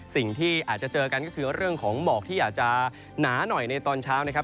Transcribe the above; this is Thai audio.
สิ่งที่อาจจะเจอกันก็คือเรื่องของหมอกที่อาจจะหนาหน่อยในตอนเช้านะครับ